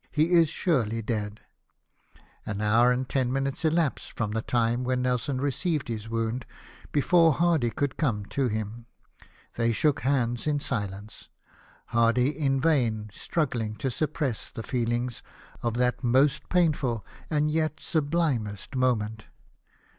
He is surely dead !" An hour and ten minutes elapsed from the time when Nelson received his wound before Hardy could come to him. They shook hands in silence ; Hardy in vain struggling to suppress the feelings of that most pain ful and yet sublimest moment.